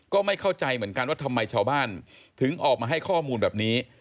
ก็ไม่เข้าใจเหมือนกันว่าทำไมชาวบ้านถึงออกมาให้ข้อมูลแบบนี้